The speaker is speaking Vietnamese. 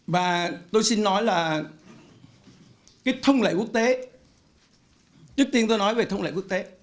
và tôi xin nói là cái thông lệ quốc tế trước tiên tôi nói về thông lệ quốc tế